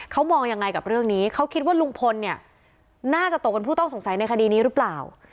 เขามองยังไงกับเรื่องนี้เขาคิดว่าลุงพลเนี่ยน่าจะตกเป็นผู้ต้องสงสัยในคดีนี้หรือเปล่า